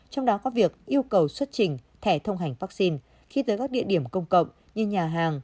trong đó có việc yêu cầu xuất trình thẻ thông hành vaccine khi tới các địa điểm công cộng như nhà hàng